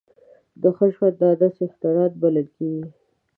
د ښه ژوندانه څښتنان بلل کېږي.